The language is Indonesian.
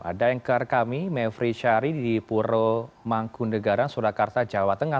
ada yang kear kami mevri syari di puro mangkun degaran surakarta jawa tengah